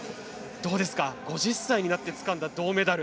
どうですか、５０歳になってつかんだ銅メダル。